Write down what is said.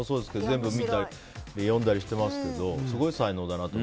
全部見たり読んだりしてますけどすごい才能だなと。